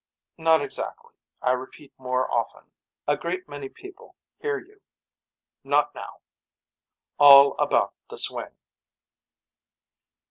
Not exactly. I repeat more often. A great many people hear you. Not now. All about the swing.